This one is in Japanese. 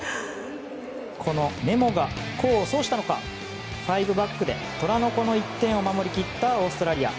このメモが功を奏したのか５バックで虎の子の１点を守り切ったオーストラリア。